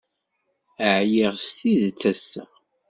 Ɛyiɣ s tidet ass-a.